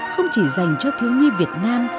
không chỉ dành cho thiếu nhi việt nam